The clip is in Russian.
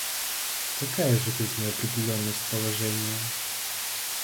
Какая же тут неопределенность положения?